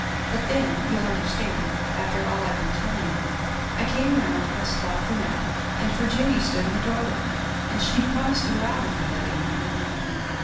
But then you'll under stand after all I've been telling you, I came around past ( La Prunelle ' and Virginie stood in the doorway, and she'd promised to go out with me that evening.